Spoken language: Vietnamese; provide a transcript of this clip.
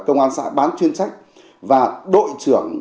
công an xã bán chuyên sách và đội trưởng